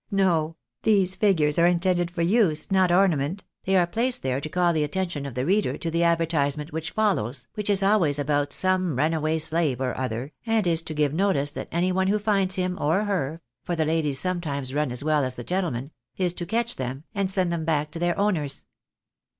No ! these figures are intended for use, not orna ment ; they are placed there to call the attention of the reader to the advertisement which follows, which is always about some run away slave or other, and is to give notice that any one who finds him or her — for the ladies sometimes run as well as the gentlemen — is to catch them, and send them back to their owners."